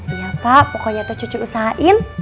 iya pak pokoknya itu cucu usahain